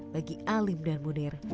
bagi alim dan munir